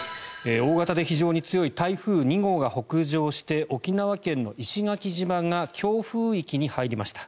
大型で非常に強い台風２号が北上して沖縄県の石垣島が強風域に入りました。